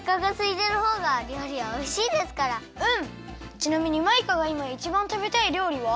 ちなみにマイカがいまいちばんたべたいりょうりは？